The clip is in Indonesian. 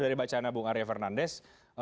dari bacaannya bung karyo fernandez